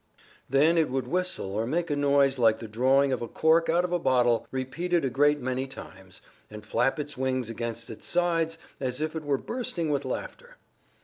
Then it would whistle or make a noise like the drawing of a cork out of a bottle, repeated a great many times, and flap its wings against its sides as if it were bursting with laughter.